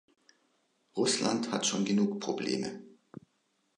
Russland hat schon genug Probleme.